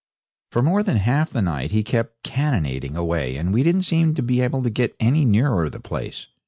For more than half the night he kept cannonading away, and we didn't seem able to get any nearer the place.